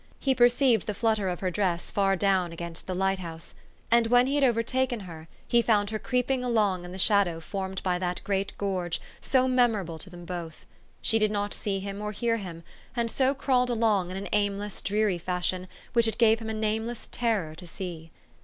He perceived the flutter of her dress far down against the light house ; and, when he had over 282 THE STORY OF AVIS. taken her, he found her creeping along in the shadow formed by that great gorge so memorable to them both. She did not see him or hear him, and so crawled along in an aimless, dreary fashion which it gave him a nameless terror to see.